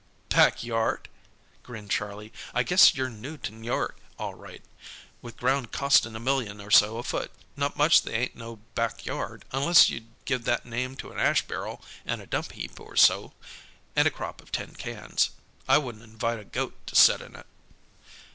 "Back yard!" grinned Charlie. "I guess you're new to N' York, all right, with ground costin' a million or so a foot. Not much they ain't no back yard, unless you'd give that name to an ash barrel, and a dump heap or so, and a crop of tin cans. I wouldn't invite a goat to set in it."